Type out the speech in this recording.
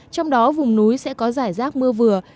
trong đó vùng núi sẽ có giải rác mưa vừa